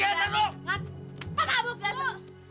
apa kabuk lu